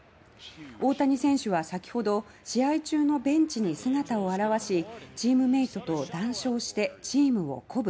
大谷選手は先ほど試合中のベンチに姿を現しチームメートと談笑してチームを鼓舞。